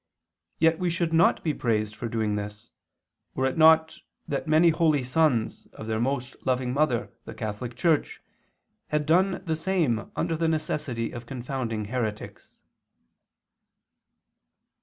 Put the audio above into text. Yet we should not be praised for doing this, were it not that many holy sons of their most loving mother the Catholic Church had done the same under the necessity of confounding heretics."